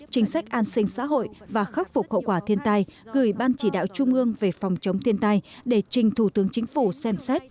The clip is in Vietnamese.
chính sách an sinh xã hội và khắc phục hậu quả thiên tai gửi ban chỉ đạo trung ương về phòng chống thiên tai để trình thủ tướng chính phủ xem xét